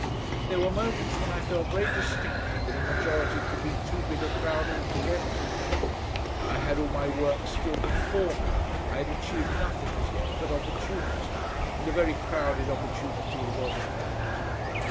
There were moments when I felt very distinctly that a majority could be too big a crowd altogether. I had all my work still before me, I had achieved nothing as yet but opportunity, and a very crowded opportunity it was at that.